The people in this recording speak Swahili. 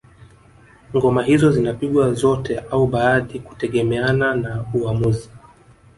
Ngoma hizo zinapigwa zote au baadhi kutegemeana na uamuzi